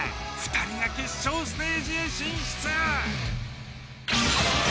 ２人が決勝ステージへ進出。